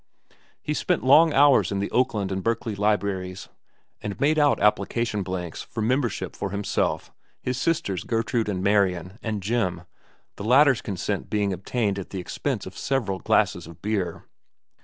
He spent long hours in the Oakland and Berkeley libraries, and made out application blanks for membership for himself, his sisters Gertrude and Marian, and Jim, the latter's consent being obtained at the expense of several glasses of beer.